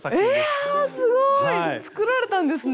ええああすごい！作られたんですね！